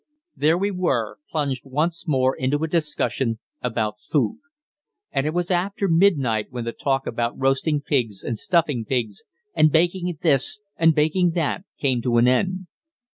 There we were, plunged once more into a discussion about food, and it was after midnight when the talk about roasting pigs, and stuffing pigs, and baking this, and baking that, came to an end.